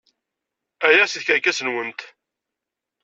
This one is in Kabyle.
Ɛyiɣ seg tkerkas-nwent!